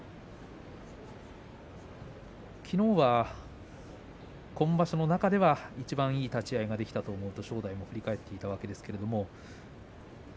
きのうは今場所の中ではいちばんいい立ち合いができたと思うと正代が振り返っていました。